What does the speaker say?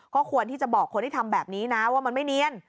ก็ควรที่จะบอกคนที่ทำแบบนี้นะว่ามันไม่เนียน